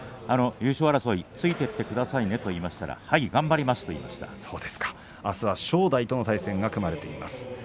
優勝争いについていってくださいねと言いますとはい頑張りますとあす正代との対戦が組まれています。